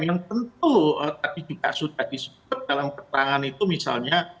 yang tentu tadi juga sudah disebut dalam keterangan itu misalnya